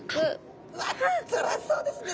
うわっつらそうですね。